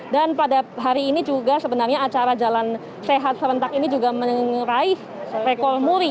dan pada hari ini juga sebenarnya acara jalan sehat serentak ini juga mengeraih rekor muri